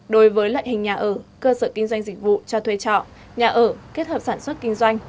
đối với loại hình nhà ở cơ sở kinh doanh dịch vụ cho thuê trọ nhà ở kết hợp sản xuất kinh doanh